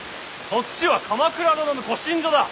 そっちは鎌倉殿のご寝所だ。